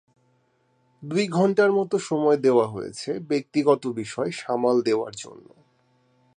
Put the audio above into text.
দুই ঘণ্টার মতো সময় দেওয়া হয়েছে ব্যক্তিগত বিষয় সামাল দেওয়ার জন্য।